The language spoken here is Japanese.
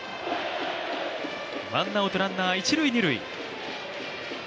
ワンアウトランナー、一・二塁。